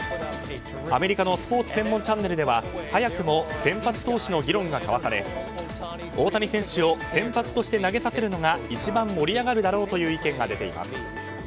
アメリカのスポーツ専門チャンネルでは早くも先発投手の議論が交わされ大谷選手を先発として投げさせるのが一番盛り上がるだろうという意見が出ています。